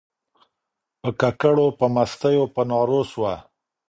په ککړو په مستیو په نارو سوه